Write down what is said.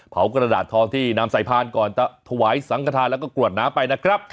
เผากระดาษทองที่นำสายพลานของเราทวายสังขทานและก็กรวดน้ำไป